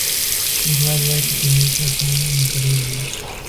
He graduated in utroque iure in Perugia.